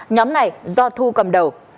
nhóm này do thu cầm đầu